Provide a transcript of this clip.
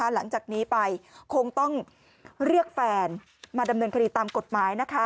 หลังจากนี้ไปคงต้องเรียกแฟนมาดำเนินคดีตามกฎหมาย